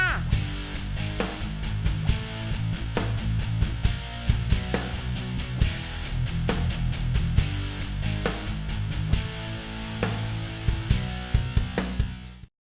โปรดติดตามตอนต่อไป